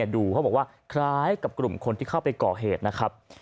ดูเขาบอกว่าคล้ายกับกลุ่มคนที่เข้าไปก่อเหตุนะครับ